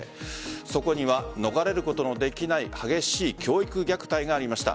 そこには逃れることのできない激しい教育虐待がありました。